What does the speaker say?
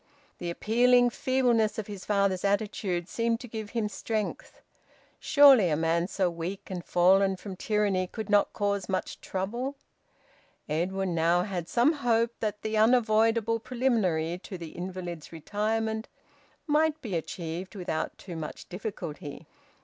The appealing feebleness of his father's attitude seemed to give him strength. Surely a man so weak and fallen from tyranny could not cause much trouble! Edwin now had some hope that the unavoidable preliminary to the invalid's retirement might be achieved without too much difficulty.